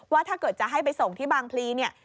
ว่าถ้าเกิดจะให้ไปส่งที่บางพลีเนี่ย